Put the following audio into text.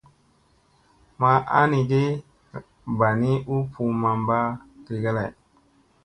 Ma ana ge mba ni u puu mamba gige lay.